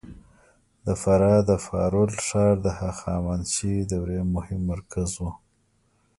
د فراه د فارول ښار د هخامنشي دورې مهم مرکز و